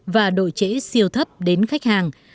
và độ trễ siêu thấp đến khách hàng